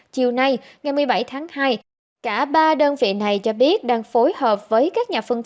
chiều nay ngày một mươi bảy tháng hai cả ba đơn vị này cho biết đang phối hợp với các nhà phân